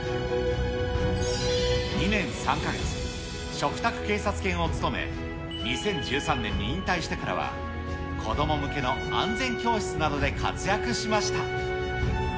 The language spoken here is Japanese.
２年３か月、嘱託警察犬を務め、２０１３年に引退してからは、子ども向けの安全教室などで活躍しました。